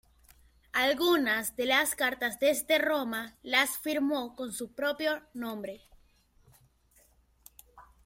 Algunas de las cartas desde Roma las firmó con su propio nombre.